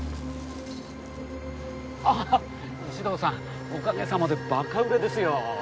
ああ石堂さんおかげさまでバカ売れですよ。